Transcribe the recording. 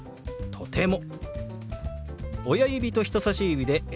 「とても」。